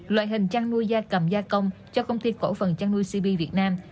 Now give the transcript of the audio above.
loại hình chăn nuôi da cầm gia công cho công ty cổ phần chăn nuôi cp việt nam